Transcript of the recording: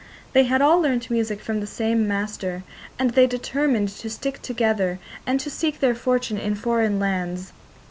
They had all learnt music from the same master, and they determined to stick together and to seek their fortune in foreign lands.